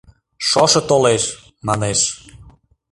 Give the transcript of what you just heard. Шошо толеш!» — манеш.